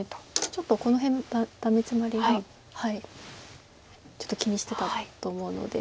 ちょっとこの辺ダメヅマリがちょっと気にしてたと思うので。